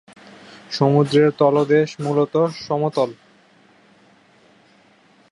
সমুদ্রের তলদেশ মূলত সমতল।